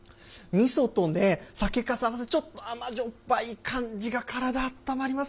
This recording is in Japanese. みそとね、酒かすが合わさって、ちょっと甘じょっぱい感じが、体あったまります。